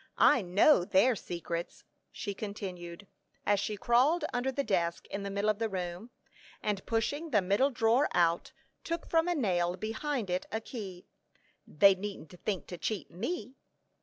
I know their secrets," she continued, as she crawled under the desk, in the middle of the room, and pushing the middle drawer out, took from a nail behind it a key. "They needn't think to cheat me."